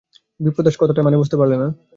বিপ্রদাস কথাটার মানে বুঝতে পারলে না।